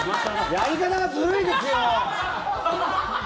やり方がずるいですよ！